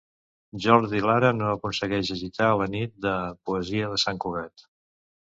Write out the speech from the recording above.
Jordi Lara no aconsegueix agitar la Nit de Poesia de Sant Cugat